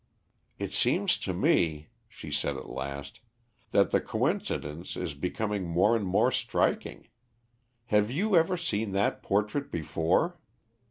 "It seems to me," she said at last, "that the coincidence is becoming more and more striking. Have you ever seen that portrait before?"